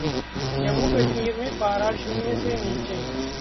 जम्मू-कश्मीर में पारा शून्य से नीचे